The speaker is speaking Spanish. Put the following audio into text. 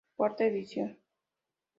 Cuarta Edición.